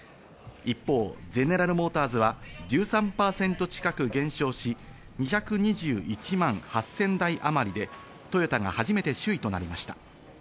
一方、ゼネラル・モーターズは１３％近く減少し、２２１万８０００台あまりで、トヨタが初めて首位となりました。